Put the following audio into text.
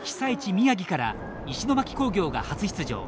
宮城から石巻工業が初出場。